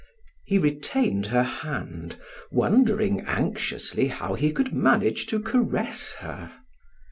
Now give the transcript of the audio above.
He retained her hand wondering anxiously how he could manage to caress her.